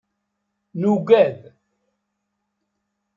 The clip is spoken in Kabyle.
Nugad.